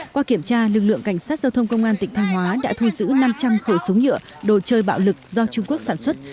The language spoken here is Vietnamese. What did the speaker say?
qua kiểm tra lực lượng cảnh sát giao thông công an tỉnh thanh hóa đã thu giữ năm trăm linh khẩu súng nhựa đồ chơi bạo lực do trung quốc sản xuất